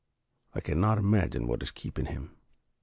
I cannot imagine what is keeping him."